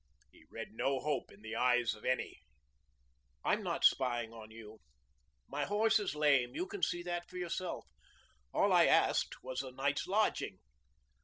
He read no hope in the eyes of any. "I'm not spying on you. My horse is lame. You can see that for yourself. All I asked was a night's lodging."